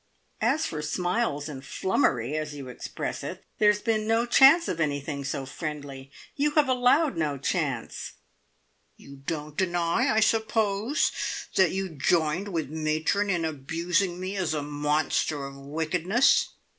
As for `smiles and flummery,' as you express it, there has been no chance of anything so friendly. You have allowed no chance!" "You don't deny, I suppose, that you joined with matron in abusing me as a monster of wickedness?"